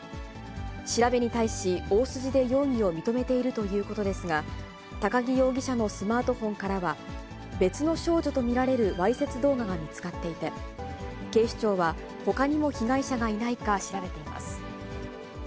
調べに対し、大筋で容疑を認めているということですが、高木容疑者のスマートフォンからは、別の少女と見られるわいせつ動画が見つかっていて、警視庁は、ほかにも被害者がいないか調べています。